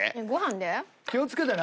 気を付けてね。